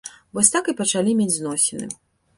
Вось так і пачалі мець зносіны.